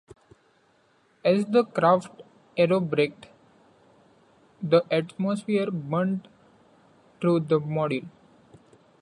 As the craft aerobraked, the atmosphere burned through the module.